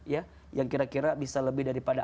ya yang kira kira bisa lebih daripada